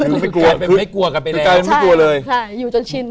หรือไม่กลัวกลายเป็นไม่กลัวกันไปแล้วใช่ใช่อยู่จนชิน